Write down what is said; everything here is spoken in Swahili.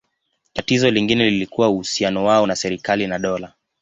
Tatizo lingine lilikuwa uhusiano wao na serikali na dola.